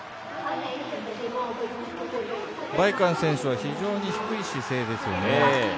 梅韓選手は非常に低い姿勢ですよね。